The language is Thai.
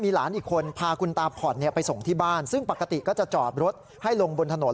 หลานอีกคนพาคุณตาผ่อนไปส่งที่บ้านซึ่งปกติก็จะจอดรถให้ลงบนถนน